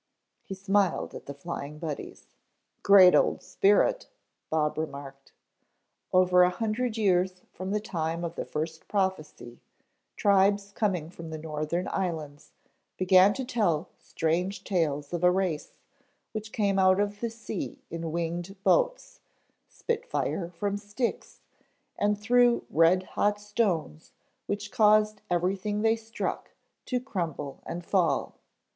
He smiled at the Flying Buddies. "Great old spirit," Bob remarked. "Over a hundred years from the time of the first prophecy, tribes coming from the northern islands began to tell strange tales of a race which came out of the sea in winged boats, spit fire from sticks, and threw red hot stones which caused everything they struck to crumble and fall.